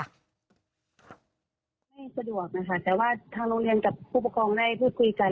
ไม่สะดวกนะคะแต่ว่าทางโรงเรียนกับผู้ปกครองได้พูดคุยกัน